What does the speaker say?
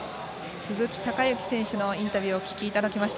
鈴木孝幸選手のインタビューをお聞きいただきました。